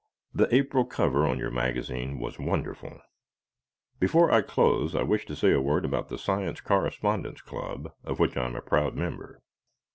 The April cover on your magazine was wonderful. Before I close I wish to say a word about the Science Correspondence Club of which I am a proud member.